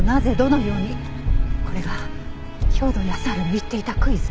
これが兵働耕春の言っていたクイズ？